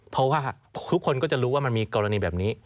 เพราะว่าทุกคนก็จะรู้ว่ามันมีกรณีแบบนี้